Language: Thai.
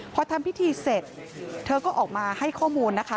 พอทำพิธีเสร็จเธอก็ออกมาให้ข้อมูลนะคะ